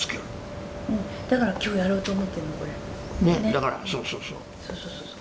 だからそうそうそう。